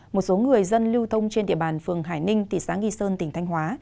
một số người dân lưu thông trên địa bàn phường hải ninh thị xã nghi sơn tỉnh thanh hóa